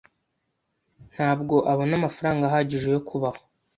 Ntabwo abona amafaranga ahagije yo kubaho.